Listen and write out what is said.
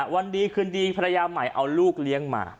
วันดีคืนดีภรรยาใหม่เอาลูกเลี้ยงมา